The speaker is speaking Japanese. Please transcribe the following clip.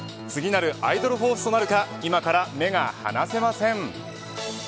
次なるアイドルホースとなるか今から目が離せません。